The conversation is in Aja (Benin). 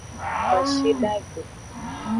Kwashidave.